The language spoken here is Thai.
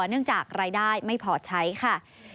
เนื่องจากรายได้ไม่พอใช้ค่ะ